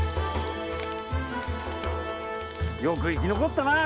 よく生き残ったなあ